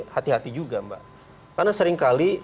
hati hati juga mbak karena seringkali